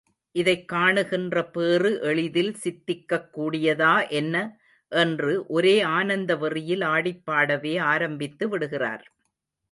இதைக் காணுகின்ற பேறு எளிதில் சித்திக்கக் கூடியதா என்ன, என்று ஒரே ஆனந்த வெறியில் ஆடிப்பாடவே ஆரம்பித்து விடுகிறார்.